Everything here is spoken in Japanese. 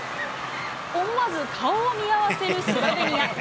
思わず顔を見合わせるスロベニア。